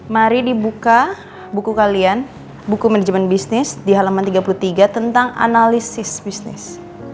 mari dibuka buku kalian buku manajemen bisnis di halaman tiga puluh tiga tentang analisis bisnis